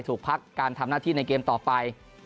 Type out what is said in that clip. ถูกพักการทำหน้าที่ในเกมต่อไป